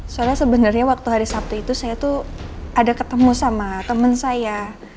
soalnya sebenarnya waktu hari sabtu itu saya tuh ada ketemu sama teman saya